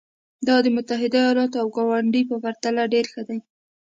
دا د متحده ایالتونو او کاناډا په پرتله ډېر دي.